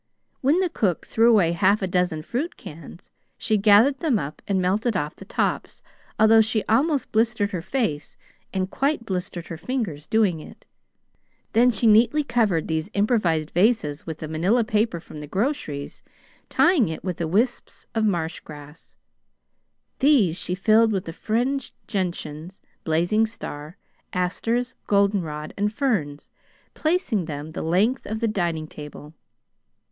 When the cook threw away half a dozen fruit cans, she gathered them up and melted off the tops, although she almost blistered her face and quite blistered her fingers doing it. Then she neatly covered these improvised vases with the Manila paper from the groceries, tying it with wisps of marshgrass. These she filled with fringed gentians, blazing star, asters, goldenrod, and ferns, placing them the length of the dining table.